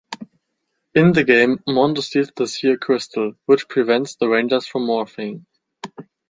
In the game, Mondo steals the Zeo Crystal, which prevents the Rangers from morphing.